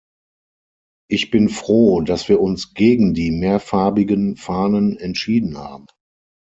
Ich bin froh, dass wir uns gegen die mehrfarbigen Fahnen entschieden haben.